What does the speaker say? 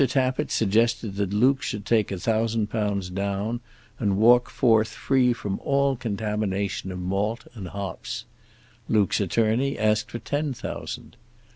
Tappitt suggested that Luke should take a thousand pounds down, and walk forth free from all contamination of malt and hops. Luke's attorney asked for ten thousand.